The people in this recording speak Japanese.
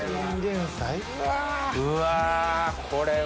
うわこれは。